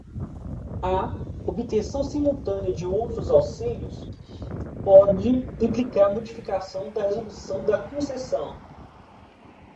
A obtenção simultânea de outros auxílios pode implicar a modificação da resolução da concessão.